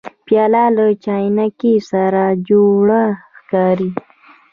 پیاله له چاینکي سره جوړه ښکاري.